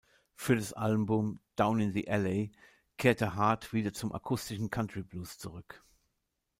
Für das Album "Down In The Alley" kehrte Hart wieder zum akustischen Country-Blues zurück.